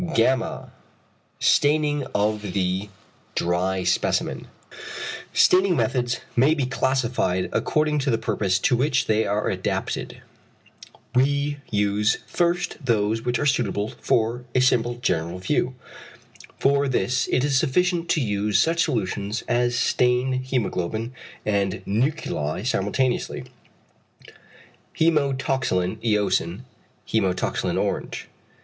[gamma]. Staining of the dry specimen. Staining methods may be classified according to the purpose to which they are adapted. We use first those which are suitable for a simple general view. For this it is sufficient to use such solutions as stain hæmoglobin and nuclei simultaneously. (Hæmatoxylin eosin, hæmatoxylin orange).